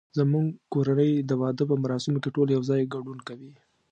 زمونږ کورنۍ د واده په مراسمو کې ټول یو ځای ګډون کوي